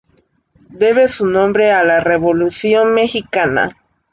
Debe su nombre a la Revolución mexicana.